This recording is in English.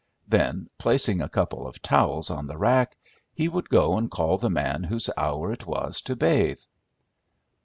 Then, placing a couple of towels on the rack, he would go and call the man whose hour it was to bathe.